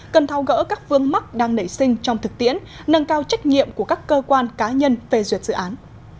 cần thao gỡ các vương mắc đang nảy sinh trong thực tiễn nâng cao trách nhiệm của các cơ quan cá nhân về duyệt dự án